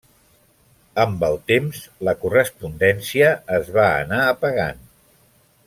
Amb el temps, la correspondència es va anar apagant.